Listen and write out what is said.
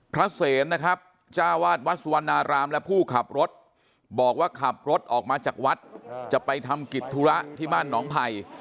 เสนนะครับจ้าวาดวัดสุวรรณารามและผู้ขับรถบอกว่าขับรถออกมาจากวัดจะไปทำกิจธุระที่บ้านหนองไผ่